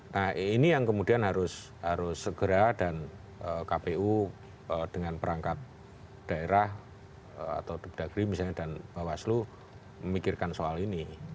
nah ini yang kemudian harus segera dan kpu dengan perangkat daerah atau dagri misalnya dan bawaslu memikirkan soal ini